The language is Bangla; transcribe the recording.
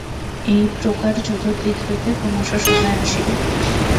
এই প্রকার চতুর্দিক হইতে ক্রমশ সহায় আসিবে।